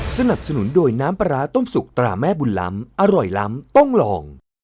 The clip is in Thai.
สนับสนุนโดยน้ำปลาร้าต้มสุกตราแม่บุญล้ำอร่อยล้ำต้องลอง